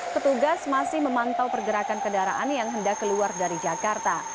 petugas masih memantau pergerakan kendaraan yang hendak keluar dari jakarta